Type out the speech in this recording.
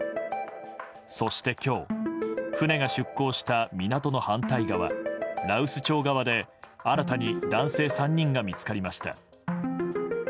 そして今日船が出港した港の反対側羅臼町側で新たに男性３人が見つかりました。